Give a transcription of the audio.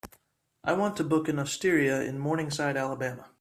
I want to book an osteria in Morningside Alabama.